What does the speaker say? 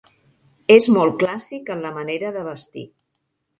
És molt clàssic en la manera de vestir.